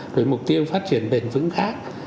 rồi mục tiêu phát triển bền vững khác